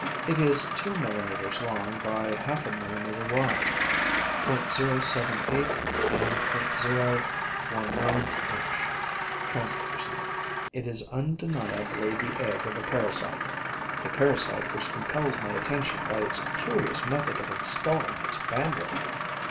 It is two millimetres long by half a millimetre wide. (.078 and.019 inch. Translator's Note.) It is undeniably the egg of a parasite, a parasite which compels my attention by its curious method of installing its family.